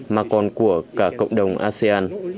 mà còn của cả cộng đồng asean